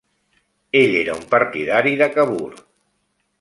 Ell era un partidari de Cavour.